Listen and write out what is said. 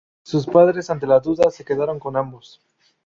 Sus padres, ante la duda, se quedaron con ambos.